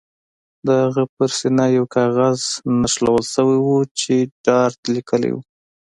د هغه په سینه یو کاغذ نښلول شوی و چې ډارت لیکلي وو